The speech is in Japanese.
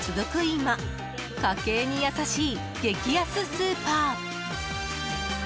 今家計に優しい激安スーパー。